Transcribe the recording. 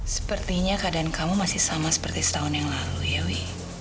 sepertinya keadaan kamu masih sama seperti setahun yang lalu ya wi